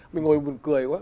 mình ngồi buồn cười quá